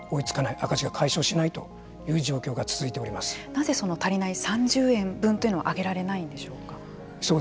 赤字が解消しないという状況がなぜ、その足りない３０円分というのは上げられないんでしょうか。